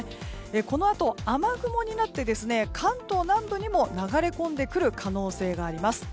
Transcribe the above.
このあと、雨雲になって関東南部にも流れ込んでくる可能性があります。